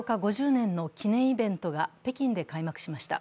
５０年の記念イベントが北京で開幕しました。